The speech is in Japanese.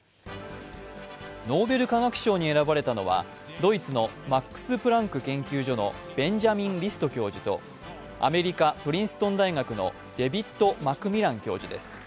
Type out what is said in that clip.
ノーベル化学賞に選ばれたのはドイツのマックス・プランク研究所のベンジャミン・リスト教授とアメリカ・プリンストン大学のデヴィッド・マクミラン教授です。